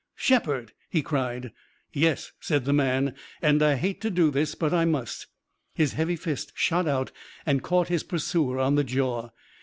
"Shepard!" he cried. "Yes!" said the man, "and I hate to do this, but I must." His heavy fist shot out and caught his pursuer on the jaw.